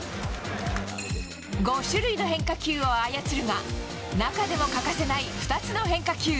５種類の変化球を操るが中でも欠かせない２つの変化球。